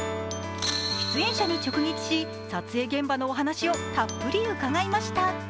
出演者に直撃し、撮影現場のお話をたっぷり伺いました。